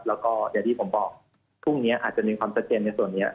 แล้วก็อย่างที่ผมบอกพรุ่งนี้อาจจะมีความชัดเจนในส่วนนี้